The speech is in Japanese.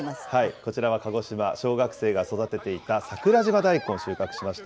こちらは鹿児島、小学生が育てていた桜島大根を収穫しました。